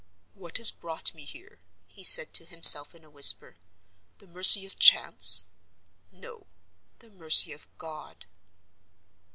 "What has brought me here?" he said to himself in a whisper. "The mercy of chance? No. The mercy of God."